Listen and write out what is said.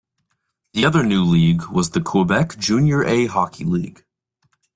The other new league was the Quebec Junior A Hockey League.